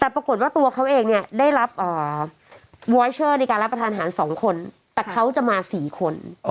แต่ปรากฏว่าตัวเขาเองเนี้ยได้รับอ่าในการรับประทานอาหารสองคนแต่เขาจะมาสี่คนอ้อ